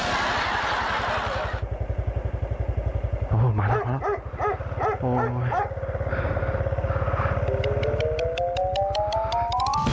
เอ่อมาแล้วมาแล้ว